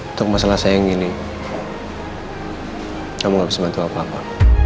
untuk masalah saya yang gini kamu nggak bisa bantu apa apa